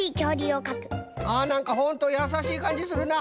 あなんかほんとやさしいかんじするな。